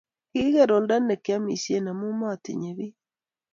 kikiker oldo ne kiamisien amu matinye biik